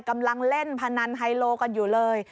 กำลังเล่นพนันไฮโลกันอยู่เลย